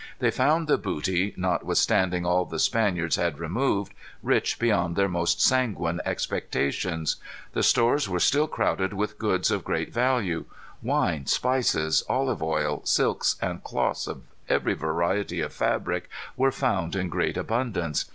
They found the booty, notwithstanding all the Spaniards had removed, rich beyond their most sanguine expectations. The stores were still crowded with goods of great value. Wine, spices, olive oil, silks and cloths of every variety of fabric were found in great abundance.